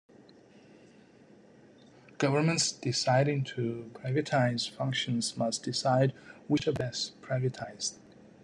Governments deciding to privatize functions must decide which are best privatized.